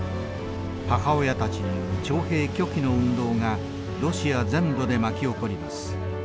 母親たちによる徴兵拒否の運動がロシア全土で巻き起こります。